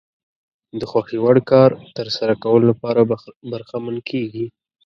د خوښې وړ کار ترسره کولو لپاره برخمن کېږي.